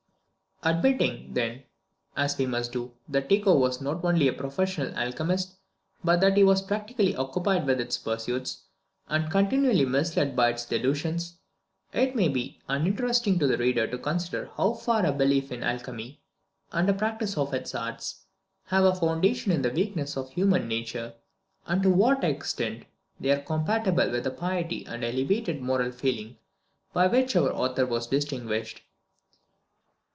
Admitting then, as we must do, that Tycho was not only a professed alchemist, but that he was practically occupied with its pursuits, and continually misled by its delusions, it may not be uninteresting to the reader to consider how far a belief in alchemy, and a practice of its arts, have a foundation in the weakness of human nature; and to what extent they are compatible with the piety and elevated moral feeling by which our author was distinguished.